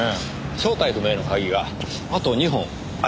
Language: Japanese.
正体不明の鍵があと２本ありましたね。